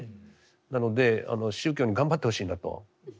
なので宗教に頑張ってほしいなと。